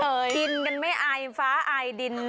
กินกันไม่อายฟ้าอายดิน